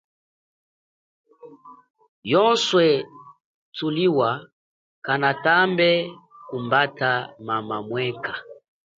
Yoze thuliwa kanatambe kumbata mama mwekha.